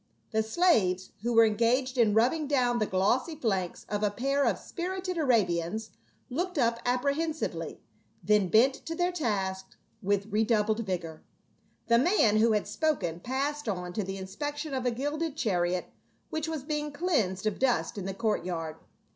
The slaves, who were engaged in rubbing down the glossy flanks of a pair of spirited Arabians, looked up apprehensively, then bent to their task with redoubled vigor. The man who had spoken passed on to the inspec tion of a gilded chariot which was being cleansed of dust in the courtyard.